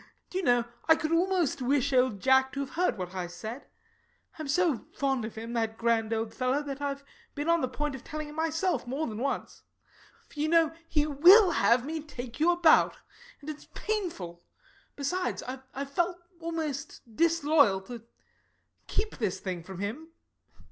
Do you know, I could almost wish old Jack to have heard what I said. I'm so fond of him, that grand old fellow, that I've been on the point of telling him, myself, more than once. For you know he will have me take you about, and it's painful. Besides, I've felt it almost disloyal to keep this thing from him.